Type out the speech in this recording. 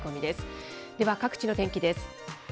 では各地の天気です。